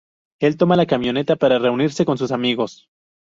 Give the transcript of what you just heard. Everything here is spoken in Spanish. Él toma la camioneta para reunirse con sus amigos.